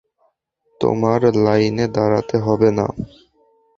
তোমার লাইনে দাড়াতে হবে না।